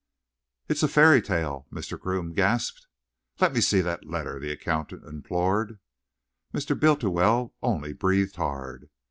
"It's a fairy tale!" Mr. Groome gasped. "Let me see the letter," the accountant implored. Mr. Bultiwell only breathed hard.